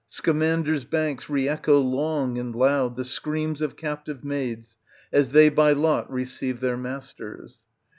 Scamander's banks re echo long and loud the screams of captive maids, as they by lot receive their masters.